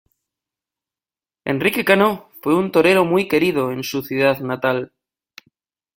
Enrique Cano fue un torero muy querido en su ciudad natal.